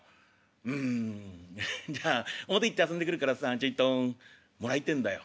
「うんじゃあ表行って遊んでくるからさちょいともらいてえんだよ」。